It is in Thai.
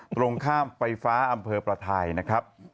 ตรงข้ามไฟฟ้าอำเภอประทายนะครับ